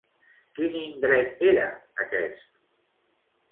Quin indret era aquest?